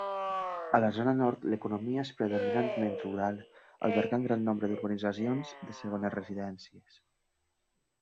A la zona nord l'economia és predominantment rural, albergant gran nombre d'urbanitzacions de segones residències.